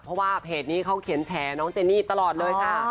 เพราะว่าเพจนี้เขาเขียนแฉน้องเจนี่ตลอดเลยค่ะ